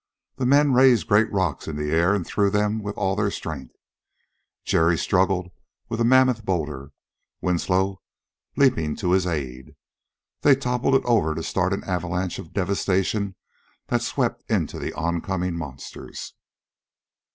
The men raised great rocks in the air and threw them with all their strength. Jerry struggled with a mammoth boulder, Winslow leaping to his aid. They toppled it over to start an avalanche of devastation that swept into the oncoming monsters.